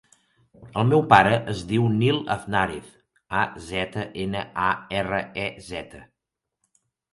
El meu pare es diu Nil Aznarez: a, zeta, ena, a, erra, e, zeta.